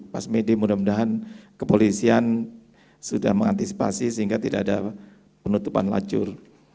pasmede mudah mudahan kepolisian sudah mengantisipasi sehingga tidak ada penutupan lacur